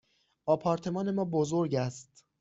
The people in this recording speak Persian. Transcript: آپارتمان ما بزرگ است.